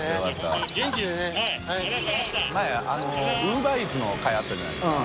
ウーバーイーツの回あったじゃないですか。